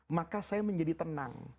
maka saya menjadi tenang